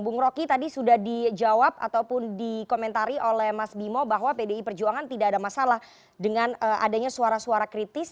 bung roky tadi sudah dijawab ataupun dikomentari oleh mas bimo bahwa pdi perjuangan tidak ada masalah dengan adanya suara suara kritis